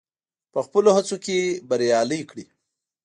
په خپلو هڅو کې بريالی کړي.